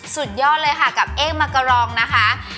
สุดยอดเลยค่ะกับเอกมักกะรองนะคะ